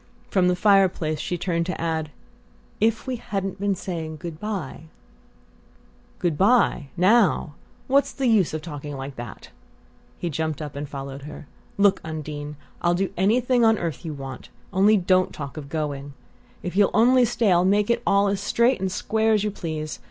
From the fireplace she turned to add "if we hadn't been saying good bye?" "Good bye now? What's the use of talking like that?" He jumped up and followed her. "Look here, Undine I'll do anything on earth you want; only don't talk of going! If you'll only stay I'll make it all as straight and square as you please.